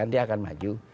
dia akan maju